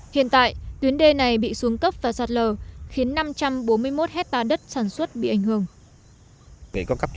hiện tại tuyến đê này bị xuống cấp và sạt lở khiến năm trăm bốn mươi một hectare đất sản xuất bị ảnh hưởng